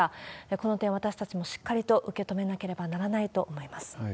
この点、私たちもしっかりと受け止めなければならないと思います。